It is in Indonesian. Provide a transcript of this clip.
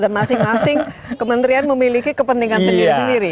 dan masing masing kementerian memiliki kepentingan sendiri sendiri